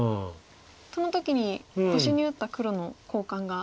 その時に星に打った黒の交換が。